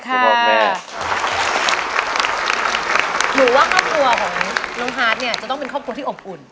ถือว่าครอบครัวของน้องฮาร์ดเนี่ยจะต้องเป็นครอบครัวที่อบอุ่น